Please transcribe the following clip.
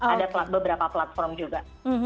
ada beberapa platform juga